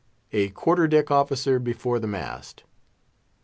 A QUARTER DECK OFFICER BEFORE THE MAST.